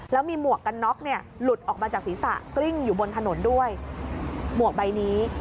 แล้วมีหมวกกันน็อกเนี่ยหลุดออกมาจากศีรษะกลิ้งอยู่บนถนนด้วยหมวกใบนี้